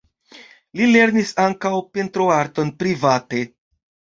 Li lernis ankaŭ pentroarton private.